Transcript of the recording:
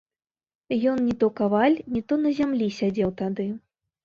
Ён ні то каваль, ні то на зямлі сядзеў тады.